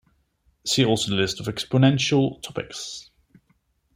See also the list of exponential topics.